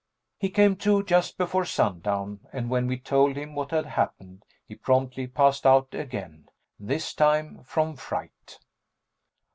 He came to just before sundown, and when we told him what had happened, he promptly passed out again this time from fright.